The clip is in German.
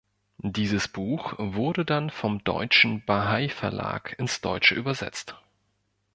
Dieses Buch wurde dann vom Deutschen Bahai-Verlag ins Deutsche übersetzt.